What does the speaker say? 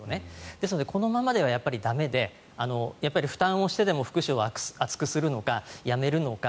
ですので、ここまでは駄目でやっぱり負担をしてでも福祉を厚くするのかやめるのか。